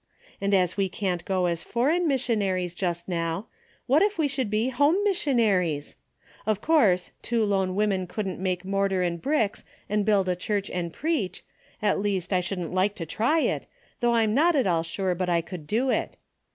And as we can't go as foreign missionaries just now, what if we should be home missionaries ? Of course, two lone women couldn't take mortar and bricks and build a church and preach, at least I shouldn't like to try it, though I'm not at all sure but I could do it.